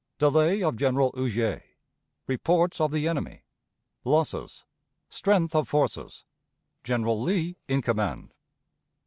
Delay of General Huger. Reports of the Enemy. Losses. Strength of Forces. General Lee in Command.